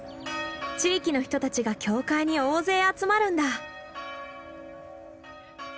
地域の人たちが教会に大勢集まるんだ。